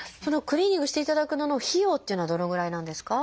クリーニングしていただく費用というのはどのぐらいなんですか？